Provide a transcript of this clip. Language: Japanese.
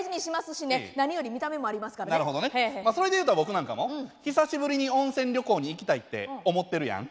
それで言うたら僕なんかも久しぶりに温泉旅行に行きたいって思ってるやん？